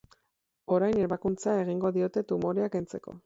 Orain ebakuntza egingo diote tumorea kentzeko.